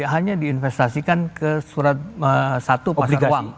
hanya diinvestasikan ke surat satu pembeli uang